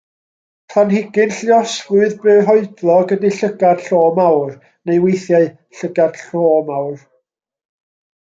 Planhigyn lluosflwydd byrhoedlog ydy llygad llo mawr neu weithiau llygad-llo mawr.